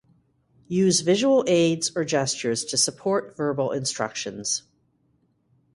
Use visual aids or gestures to support verbal instructions.